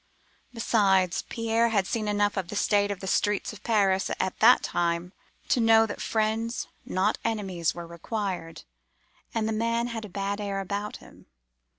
Besides, Pierre had seen enough of the state of the streets of Paris at that time to know that friends, not enemies, were required, and the man had a bad air about him.